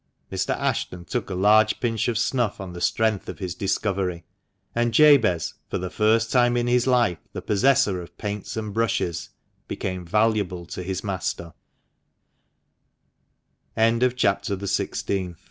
Mr. Ashton took a large pinch of snuff on the strength of his discovery. And Jabez, for the first time in his life the possessor of paints and brushes, became valuable to his m